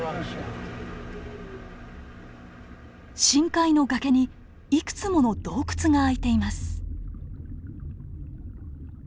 深海の崖にいくつもの洞窟があいています。